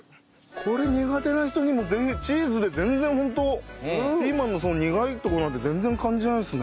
これ苦手な人にも全然チーズで全然ホントピーマンのその苦いとこなんて全然感じないですね。